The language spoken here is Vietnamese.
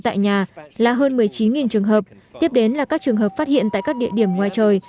tại nhà là hơn một mươi chín trường hợp tiếp đến là các trường hợp phát hiện tại các địa điểm ngoài trời